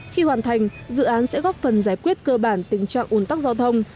khi hoàn thành dự án sẽ góp phần giải quyết cơ bản tình trạng ủn tắc giao thông